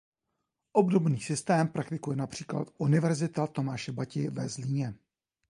Obdobný systém praktikuje například Univerzita Tomáše Bati ve Zlíně.